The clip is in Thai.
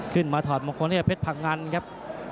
ขึ้นมาถอดมงคลด้วยเพชรพังงันครับ